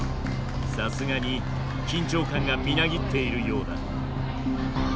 さすがに緊張感がみなぎっているようだ。